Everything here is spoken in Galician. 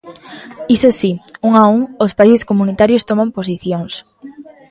Iso si, un a un, os países comunitarios toman posicións.